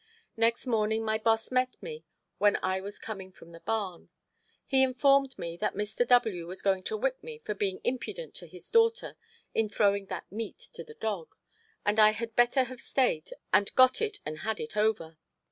Next morning my boss met me when I was coming from the barn. He informed me that "Mr. W. was going to whip me for being impudent to his daughter in throwing that meat to the dog, and I had better have stayed and got it and had it over."